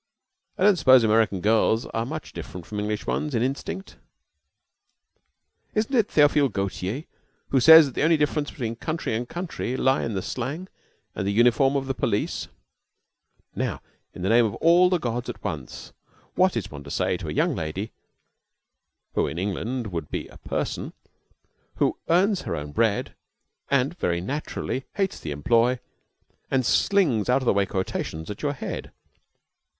"I don't suppose American girls are much different from English ones in instinct." "Isn't it Theophile Gautier who says that the only difference between country and country lie in the slang and the uniform of the police?" Now, in the name of all the gods at once, what is one to say to a young lady (who in England would be a person) who earns her own bread, and very naturally hates the employ, and slings out of the way quotations at your head?